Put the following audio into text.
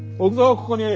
ここに。